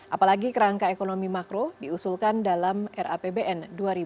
apalagi kerangka ekonomi makro diusulkan dalam rapbn dua ribu dua puluh